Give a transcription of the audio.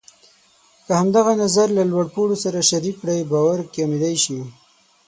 که همدغه نظر له لوړ پوړو سره شریک کړئ، باور کمېدای شي.